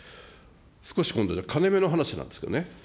少し今度、金目の話なんですけどね。